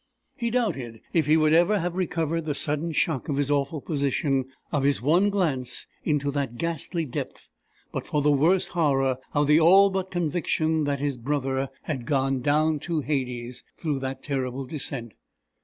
He doubted if he would ever have recovered the sudden shock of his awful position, of his one glance into the ghastly depth, but for the worse horror of the all but conviction that his brother had gone down to Hades through that terrible descent.